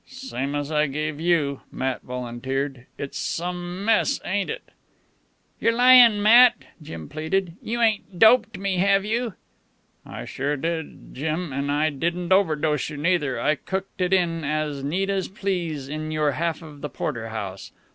"Same as I gave you," Matt volunteered. "It's some mess, ain't it!" "You're lyin', Matt," Jim pleaded. "You ain't doped me, have you?" "I sure did, Jim; an' I didn't overdose you, neither. I cooked it in as neat as you please in your half the porterhouse.